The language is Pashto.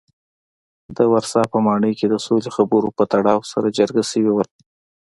د ورسا په ماڼۍ کې د سولې خبرو په تړاو سره جرګه شوي وو.